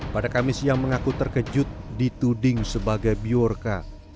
pada kamis yang mengaku terkejut dituding sebagai bjorka